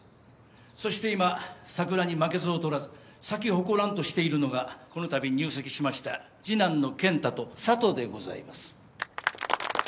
そして今桜に負けず劣らず咲き誇らんとしているのがこのたび入籍しました次男の健太と佐都でございます。